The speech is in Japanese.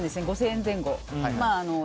５０００円前後。